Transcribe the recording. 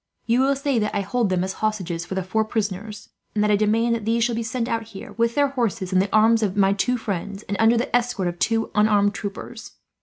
You will say that I hold them as hostages for the four prisoners, and that I demand that these shall be sent out here, with their horses and the arms of my two friends, and under the escort of two unarmed troopers.